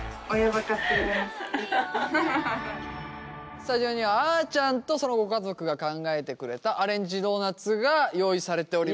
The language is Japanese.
スタジオにはあーちゃんとそのご家族が考えてくれたアレンジドーナツが用意されております。